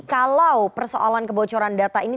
kalau persoalan kebocoran data ini